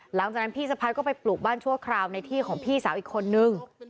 หลังจากนั้นพี่สะพ้ายก็ไปปลูกบ้านชั่วคราวในที่ของพี่สาวอีกคนนึง